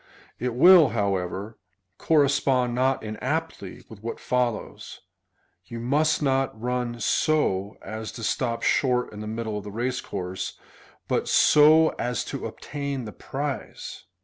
It will, however, correspond not inaptly with what follows :" You must not run so as to stop sliort in the middle of the race course, but so as to obtain the prize."